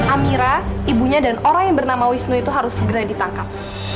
amira ibunya dan orang yang bernama wisnu itu harus segera ditangkap